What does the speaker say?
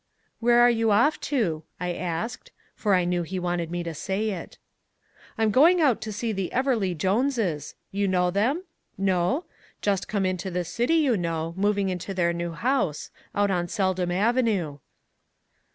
"Where are you off to?" I asked, for I knew he wanted me to say it. "I'm going out to see the Everleigh Joneses, you know them? no? just come to the city, you know, moving into their new house, out on Seldom Avenue."